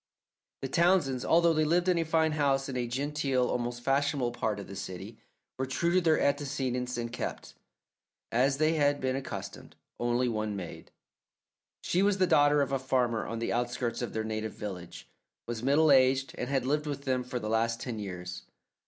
The Townsends, although they lived in a fine house in a genteel, almost fashionable, part of the city, were true to their antecedents and kept, as they had been accustomed, only one maid. She was the daughter of a farmer on the outskirts of their native village, was middle aged, and had lived with them for the last ten years.